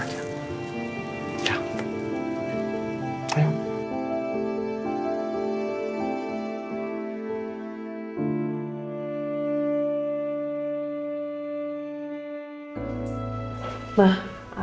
abis sarapan aja